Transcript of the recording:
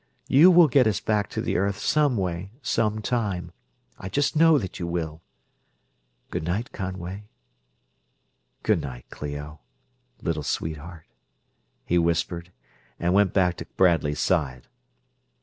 You will get us back to the earth some way, sometime; I just know that you will. Good night, Conway." "Good night, Clio ... little sweetheart," he whispered, and went back to Bradley's side.